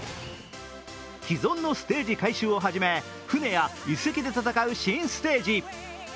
既存のステージ改修をはじめ船や遺跡で戦う新ステージ。